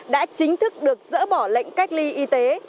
đã chính thức được dỡ bỏ lệnh cách ly y tế